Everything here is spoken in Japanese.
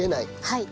はい。